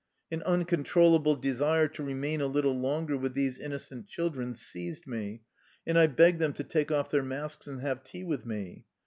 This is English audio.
An uncontrollable desire to remain a little longer with these innocent children seized me, and I begged them to take off their masks and have tea with me.